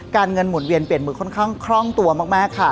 เงินหมุนเวียนเปลี่ยนมือค่อนข้างคล่องตัวมากค่ะ